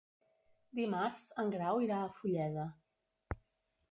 Dimarts en Grau irà a Fulleda.